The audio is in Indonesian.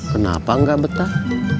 kenapa gak betah